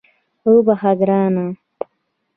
وبخښه ګرانه